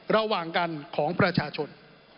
ระหว่างกันของประชาชน